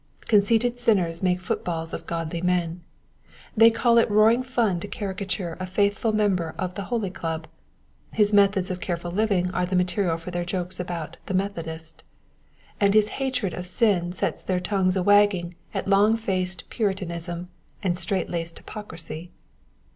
Conceited sinners make footballs of godly men. They call it roaring fun to caricature a faithful member of *' The Holy Club *; his methods of careful living are the material for their jokes about '' the Methodist '^; and his hatred of sin sets their tongues a wagging at lonff faced Puritanism, and strait laced hypocrisy.